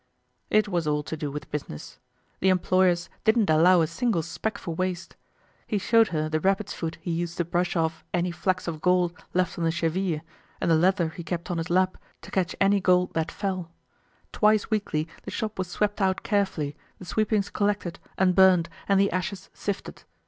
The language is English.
It was all to do with business. The employers didn't allow a single speck for waste. He showed her the rabbit's foot he used to brush off any flecks of gold left on the cheville and the leather he kept on his lap to catch any gold that fell. Twice weekly the shop was swept out carefully, the sweepings collected and burned and the ashes sifted.